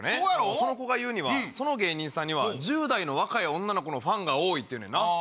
その子が言うにはその芸人さんには１０代の若い女の子のファンが多いって言うねんな。